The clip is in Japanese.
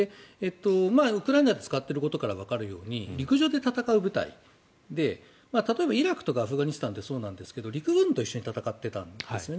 ウクライナで使ってることからわかるように陸上で戦う部隊で例えば、イラクとかアフガニスタンはそうなんですが陸軍と一緒に戦っていたんですよね。